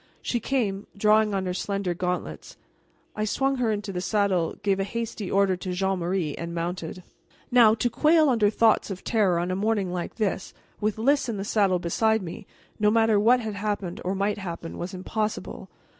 She came, drawing on her slender gauntlets. I swung her into the saddle, gave a hasty order to Jean Marie, and mounted. Now, to quail under thoughts of terror on a morning like this, with Lys in the saddle beside me, no matter what had happened or might happen was impossible.